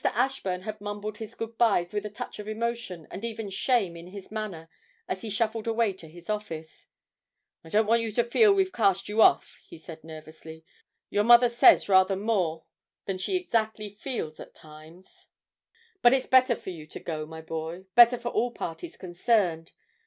Ashburn had mumbled his good byes with a touch of emotion and even shame in his manner as he shuffled away to his office. 'I don't want you to feel we've cast you off,' he had said nervously. 'Your mother says rather more than she exactly feels at times; but it's better for you to go, my boy, better for all parties concerned.